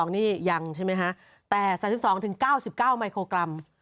นี่ยังใช่ไหมคะแต่๓๒๙๙ไมโครกรัม